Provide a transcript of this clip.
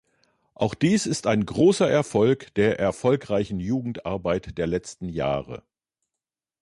Auch dies ist ein großer Erfolg der erfolgreichen Jugendarbeit der letzten Jahre.